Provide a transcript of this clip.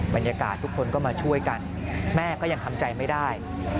บรรยากาศทุกคนก็มาช่วยกันแม่ก็ยังทำใจไม่ได้